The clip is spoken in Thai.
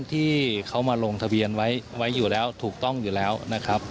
ที่เขามาลงทะเบียนไว้อยู่แล้วถูกต้องอยู่แล้วนะครับ